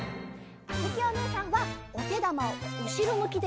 あづきおねえさんはおてだまをうしろむきで１０こなげます。